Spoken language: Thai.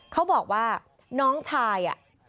เขาบอกว่าน้องชาย